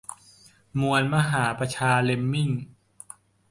มวลมหาประชาเลมมิ่ง